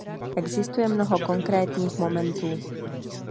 Existuje mnoho konkrétních momentů.